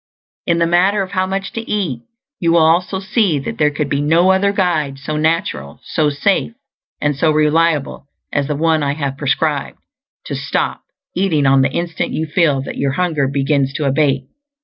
In the matter of how much to eat, you will also see that there could be no other guide so natural, so safe, and so reliable as the one I have prescribed to stop eating on the instant you feel that your hunger begins to abate.